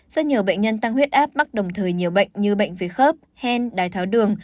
rất nhiều bệnh nhân tăng huyết áp mắc đồng thời nhiều bệnh như bệnh về khớp hen đai tháo đường